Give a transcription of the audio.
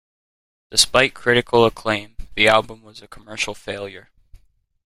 Despite critical acclaim, the album was a commercial failure.